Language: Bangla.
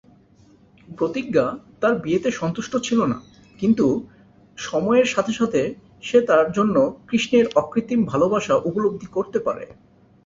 প্রতিজ্ঞা তার বিয়েতে সন্তুষ্ট ছিল না কিন্তু সময়ের সাথে সাথে সে তার জন্য কৃষ্ণের অকৃত্রিম ভালবাসা উপলব্ধি করতে পারে।